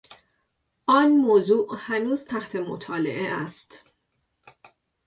آن موضوع هنوز تحت مطالعه است.